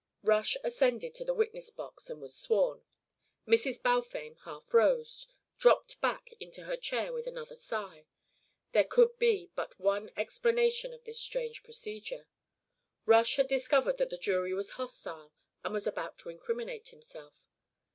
Rush ascended to the witness box and was sworn. Mrs. Balfame half rose, dropped back into her chair with another sigh. There could be but one explanation of this strange procedure. Rush had discovered that the jury was hostile and was about to incriminate himself.